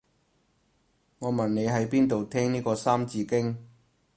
我問你喺邊度聽呢個三字經